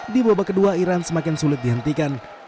di babak kedua iran semakin sulit dihentikan